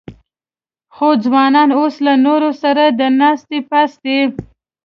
خو ځوانان اوس له نورو سره د ناستې پاستې